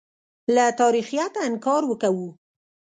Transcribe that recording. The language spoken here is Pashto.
له تاریخیته انکار وکوو.